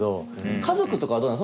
家族とかはどうなの？